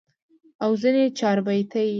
او ځني چاربيتې ئې